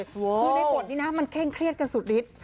คือในบทนี้นะมันเคร่งเครียดกันสุดฤทธิ